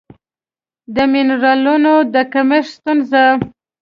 د مېنرالونو د کمښت ستونزه